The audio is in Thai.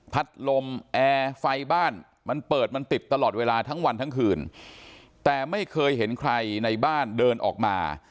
ลมแอร์ไฟบ้านมันเปิดมันติดตลอดเวลาทั้งวันทั้งคืนแต่ไม่เคยเห็นใครในบ้านเดินออกมา